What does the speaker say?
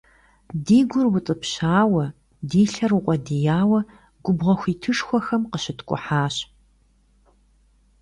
Ди гур утӀыпщауэ, ди лъэр укъуэдияуэ губгъуэ хуитышхуэхэм къыщыткӀухьащ.